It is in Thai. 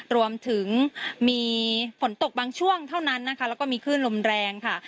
รวมถึงมีฝนตกบางช่วงเท่านั้นนะคะแล้วก็มีคลื่นลมแรงค่ะ